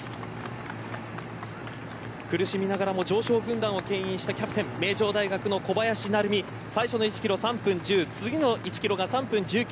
苦しみながらも常勝軍団をけん引したキャプテン名城大学の小林成美最初の１キロ３分１０次の１キロが３分１９